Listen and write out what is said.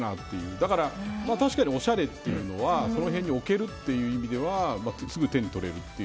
だから確かにおしゃれというのはその辺に置けるという意味ではすぐ手に取れるという。